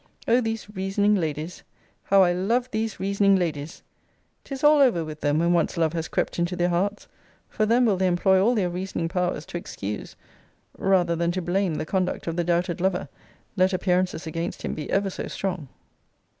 O these reasoning ladies! How I love these reasoning ladies! 'Tis all over with them, when once love has crept into their hearts: for then will they employ all their reasoning powers to excuse rather than to blame the conduct of the doubted lover, let appearances against him be ever so strong.